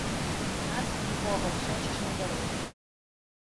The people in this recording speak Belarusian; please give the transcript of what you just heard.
Нас, нікога, усё яшчэ не бяруць.